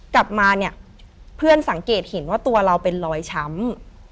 กลับมาเนี่ยเพื่อนสังเกตเห็นว่าตัวเราเป็นรอยช้ำ